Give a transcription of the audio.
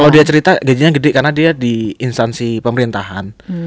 kalau dia cerita gajinya gede karena dia di instansi pemerintahan